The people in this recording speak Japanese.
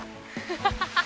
アハハハハ！